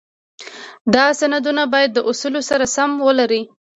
دا سندونه باید د اصولو سره سمون ولري.